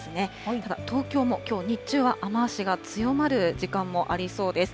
ただ東京はもう、日中は雨足が強まる時間もありそうです。